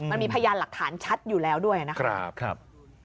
มันมีพยานหลักฐานชัดอยู่แล้วด้วยนะครับ